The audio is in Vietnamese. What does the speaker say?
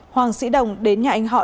hoàng sĩ đồng đến nhà anh họ